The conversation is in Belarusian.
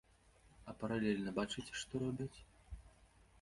А паралельна бачыце, што робяць!?